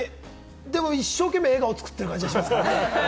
でも一生懸命、笑顔を作ってる感じがします。